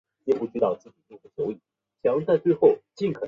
暹罗盾蛭为舌蛭科盾蛭属的动物。